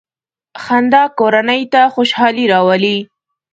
• خندا کورنۍ ته خوشحالي راولي.